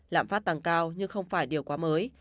lạm phát tăng cao nhưng không phải điều quá mới